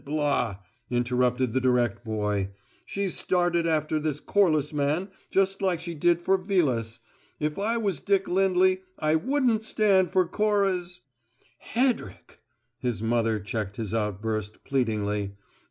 Blah!" interrupted the direct boy. "She's started after this Corliss man just like she did for Vilas. If I was Dick Lindley I wouldn't stand for Cora's " "Hedrick!" His mother checked his outburst pleadingly.